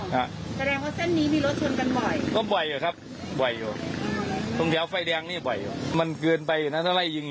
แบบฉุนกันก็บ่อยครับไว้ตรงแถวไฟแด๋ยังนี่ไว้มันเกินไปนัดอะไรยัง